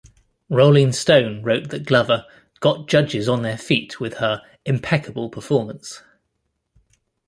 "Rolling Stone" wrote that Glover "got judges on their feet" with her "impeccable" performance.